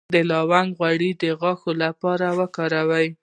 د لونګ غوړي د غاښ لپاره وکاروئ